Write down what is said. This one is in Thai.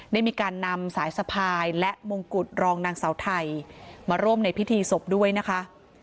ได้มีการนำสายสะพายและมงกุฎรองนางเสาไทยมาร่วมในพิธีศพด้วยนะคะ